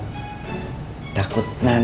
takut nanti kandas di tengah jalan